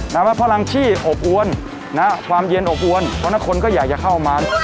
ว่าพลังที่อบอวนนะความเย็นอบอวนเพราะฉะนั้นคนก็อยากจะเข้ามา